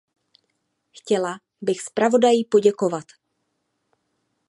Chtěla bych zpravodaji poděkovat.